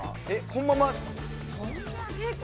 このまま？